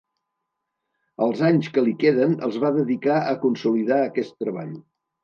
Els anys que li queden els va dedicar a consolidar aquest treball.